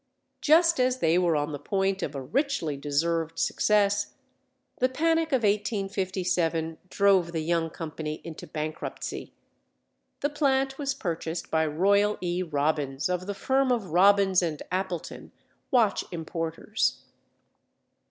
Just as they were on the point of a richly deserved success, the panic of 1857 drove the young company into bankruptcy. The plant was purchased by Royal E. Robbins, of the firm of Robbins & Appleton, watch importers.